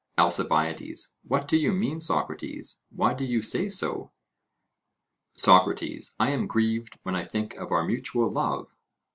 ALCIBIADES: What do you mean, Socrates; why do you say so? SOCRATES: I am grieved when I think of our mutual love.